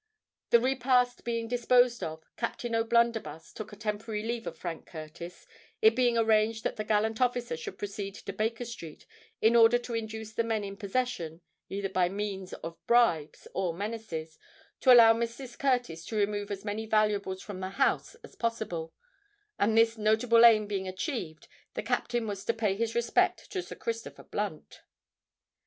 The repast being disposed of, Captain O'Blunderbuss took a temporary leave of Frank Curtis, it being arranged that the gallant officer should proceed to Baker Street in order to induce the men in possession, either by means of bribes or menaces, to allow Mrs. Curtis to remove as many valuables from the house as possible; and, this notable aim being achieved, the captain was to pay his respects to Sir Christopher Blunt.